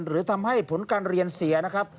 หรือทำให้ผลการเรียนเสียนะครับ